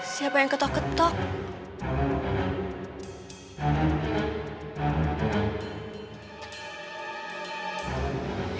siapa yang ketok ketok